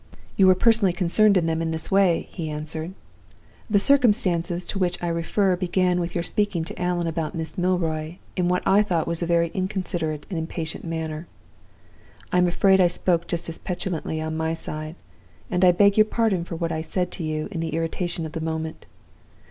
"'You were personally concerned in them in this way,' he answered. 'The circumstances to which I refer began with your speaking to Allan about Miss Milroy, in what I thought a very inconsiderate and very impatient manner. I am afraid I spoke just as petulantly on my side, and I beg your pardon for what I said to you in the irritation of the moment.